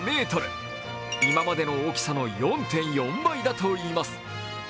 今までの大きさの４．４倍だといいます。